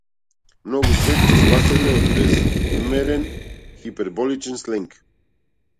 Многу свет ќе спаселе од безмерен хиперболичен сленг.